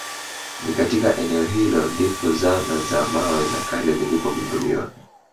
Ni katika eneo hilo ndipo zana za mawe za kale zilipogunduliwa